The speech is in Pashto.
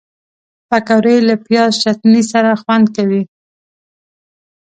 پکورې له پیاز چټني سره خوند کوي